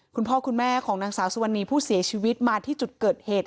คุณพ่อคุณแม่ของนางสาวสุวรรณีผู้เสียชีวิตมาที่จุดเกิดเหตุ